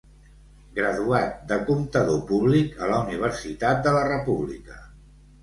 Graduat de comptador públic a la Universitat de la República.